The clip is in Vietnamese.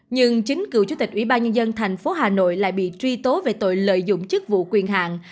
nhưng chính cựu chủ tịch ủy ban nhân dân thành phố hà nội lại bị truy tố về tội lợi dụng chức vụ quyền hạng